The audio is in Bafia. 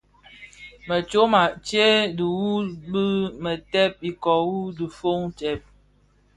Më tyoma tse dhihuu bë mèètèn ikōō bi dhifōn tsèb.